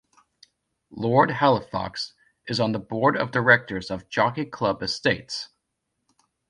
Lord Halifax is on the Board of Directors of Jockey Club Estates.